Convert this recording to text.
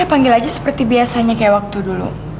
saya panggil aja seperti biasanya kayak waktu dulu